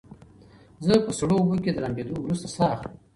زه په سړو اوبو کې د لامبېدو وروسته ساه اخلم.